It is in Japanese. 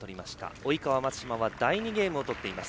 及川、松島は第２ゲームを取っています。